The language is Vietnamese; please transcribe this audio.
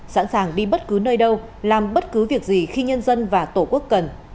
sẵn sàng đi bất cứ nơi đâu làm bất cứ việc gì khi nhân dân và tổ quốc cần